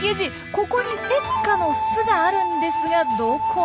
ここにセッカの巣があるんですがどこだかわかりますか？